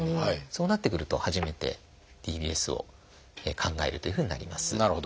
そうなってくると初めてＤＢＳを考えるというふうになります。